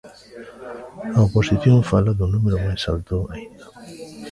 A oposición fala dun número máis alto aínda.